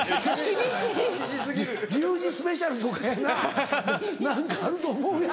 「リュウジスペシャル」とかやな